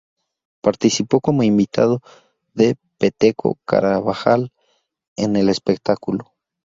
Participó como invitado de Peteco Carabajal en el espectáculo.